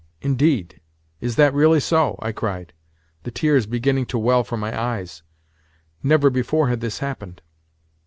"Indeed? Is that really so?" I cried—the tears beginning to well from my eyes. Never before had this happened.